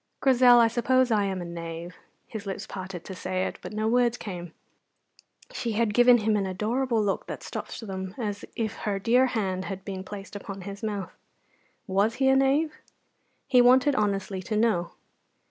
"Grizel, I suppose I am a knave." His lips parted to say it, but no words came. She had given him an adorable look that stopped them as if her dear hand had been placed upon his mouth. Was he a knave? He wanted honestly to know.